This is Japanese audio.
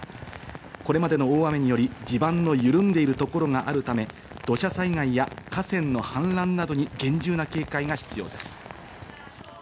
これまでの大雨により地盤の緩んでいるところがあるため、土砂災害や河川の氾濫などに厳重な警戒が必要です。